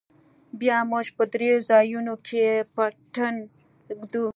بيا موږ په درېو ځايونو کښې پټن ږدو.